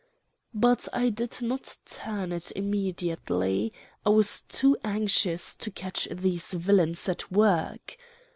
But I did not turn it immediately, I was too anxious to catch these villains at work.